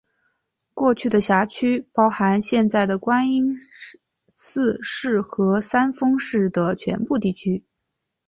过去的辖区包含现在的观音寺市和三丰市的全部地区。